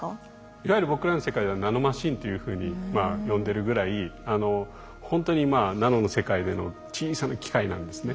いわゆる僕らの世界ではナノマシンというふうに呼んでるぐらいほんとにナノの世界での小さな機械なんですね。